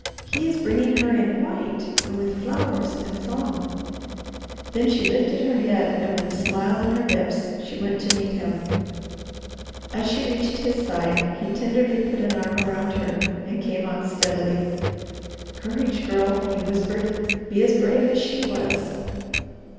"He is bringing her in white, and with flowers and song!" Then she lifted her head, and with a smile on her lips she went to meet him. As she reached his side, he tenderly put an arm around her, and came on steadily. "Courage Girl!" he whispered. "Be as brave as she was!"